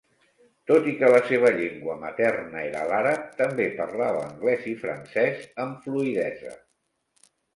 Tot i que la seva llengua materna era l'àrab, també parlava anglès i francès amb fluïdesa.